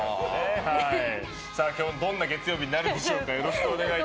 今日はどんな月曜日になるんでしょう。